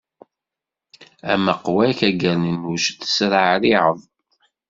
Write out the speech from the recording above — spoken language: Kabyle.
Amaqwa-k a gerninuc, tesreɛriɛeḍ!